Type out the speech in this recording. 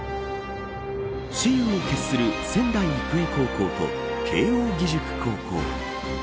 雌雄を決する仙台育英高校と慶応義塾高校。